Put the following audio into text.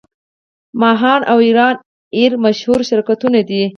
ماهان او ایران ایر مشهور شرکتونه دي.